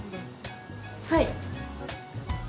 はい。